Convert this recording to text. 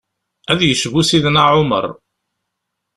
Ad yecbu Sidna Ɛumer.